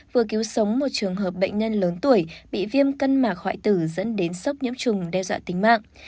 vừa cứu sống một trường hợp bệnh nhân lớn tuổi bị viêm cân mạc hoại tử dẫn đến sốc nhiễm trùng đe dọa tính mạng